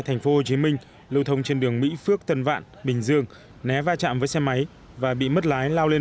tp hcm lưu thông trên đường mỹ phước tân vạn bình dương né va chạm với xe máy và bị mất lái lao lên